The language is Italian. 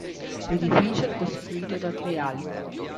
L'edificio è costituito da tre ali.